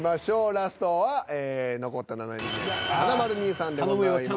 ラストは残った７人目華丸兄さんでございます。